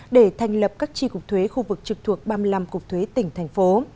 để thành lập các tri cục thuế khu vực trực thuộc ba mươi năm cục thuế tỉnh thành phố